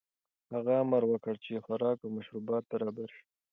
هغه امر وکړ چې خوراک او مشروبات برابر شي.